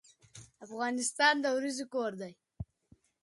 افغانستان د وریجو کور دی.